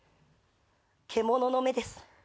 獣の目です